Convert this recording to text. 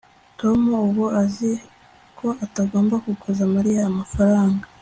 tom ubu azi ko atagomba kuguza mariya amafaranga